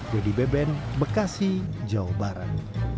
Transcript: jadi beben bekasi jawa barat